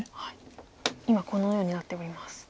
今このようになっております。